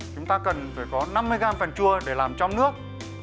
chúng ta cần phải có năm mươi gram phần chua để làm trong nước